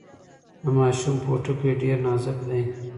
د ماشوم پوټکی ډیر نازک دی۔